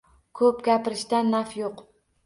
Ko‘p gapirishdan naf yo‘q.